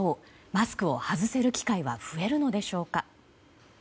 マスクを外せる機会は増えるのでしょうか。